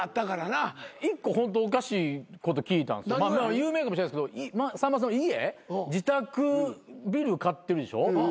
有名かもしれないですけどさんまさんの家自宅ビル買ってるでしょ。